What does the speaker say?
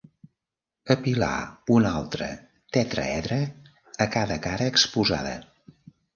Apilar un altre tetraedre a cada cara exposada.